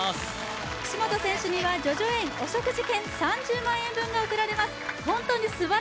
岸本選手には叙々苑お食事券３０万円分が贈られます。